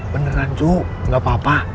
beneran cu nggak apa apa